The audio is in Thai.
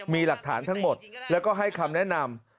มีหลักฐานทั้งหมดแล้วก็ให้คำแนะนำ